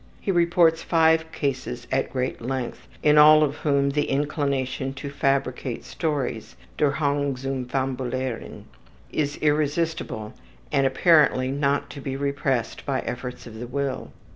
He reports five cases at great length, in all of whom the inclination to fabricate stories, ``der Hang zum fabulieren,'' is irresistible and apparently not to be repressed by efforts of the will.